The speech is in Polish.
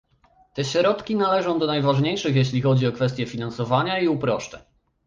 Te środki należą do najważniejszych, jeśli chodzi o kwestie finansowania i uproszczeń